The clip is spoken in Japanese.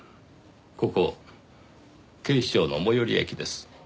ここ警視庁の最寄り駅です。